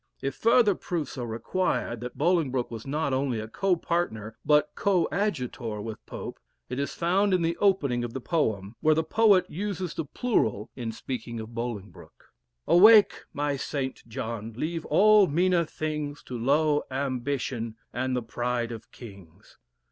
If further proofs are required, that Bolingbroke was not only a co partner but coadjutor with Pope, it is found in the opening of the poem, where the poet uses the plural in speaking of Bolingbroke "Awake, my St. John, leave all meaner things To low ambition, and the pride of kings.